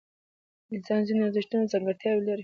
انسان ځینې ارزښتونه او ځانګړتیاوې لري.